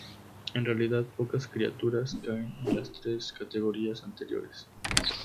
En realidad, pocas criaturas caen en las tres categorías anteriores.